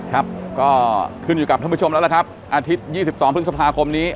ครับก็ขึ้นอยู่กับท่านผู้ชมแล้วล่ะครับอาทิตย์๒๒พฤษภาคมนี้